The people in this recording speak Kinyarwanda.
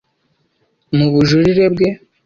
Mu bujurire bwe